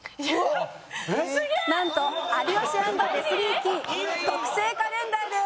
なんと有吉＆レスリー・キー特製カレンダーです。